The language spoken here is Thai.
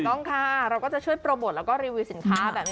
ต้องค่ะเราก็จะช่วยโปรโมทแล้วก็รีวิวสินค้าแบบนี้